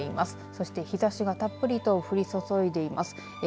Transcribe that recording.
そして日ざしがたっぷりと降り注いでいます。